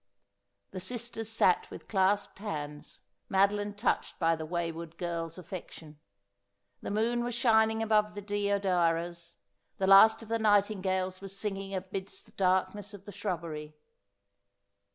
The sisters sat with clasped hands, Madoline touched by the wayward girl's affection. The moon was shining above the deodaras ; the last of the nightingales was singing amidst the darkness of the shrubbery.